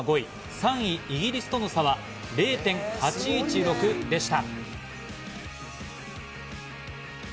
３位、イギリスとの差は０．８１６でした。